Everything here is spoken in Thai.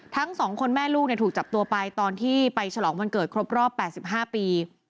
ทั้งสองคนแม่ลูกถูกจับตัวไปตอนที่ไปฉลองวันเกิดครบรอบ๘๕ปี